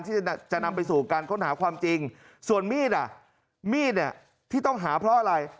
ที่จะนำไปสู่การค้นหาความจริงส่วนมีดอ่ะมีดเนี่ยที่ต้องหาเพราะอะไร